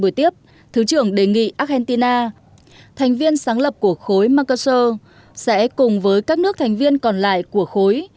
buổi tiếp thứ trưởng đề nghị argentina thành viên sáng lập của khối markus sẽ cùng với các nước thành viên còn lại của khối